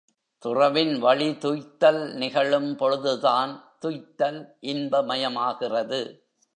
துறவின் வழிதுய்த்தல் நிகழும் பொழுதுதான் துய்த்தல் இன்ப மயமாகிறது.